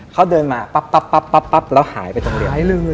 เขาเดินมาปั๊บแล้วหายไปโรงเรียน